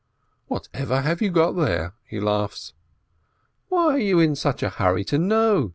"Whatever have you got there ?" he laughs. "Why are you in such a hurry to know?"